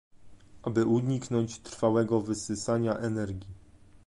aby uniknąć trwałego wysysania energii